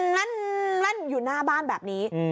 นั่นอยู่หน้าบ้านแบบนี้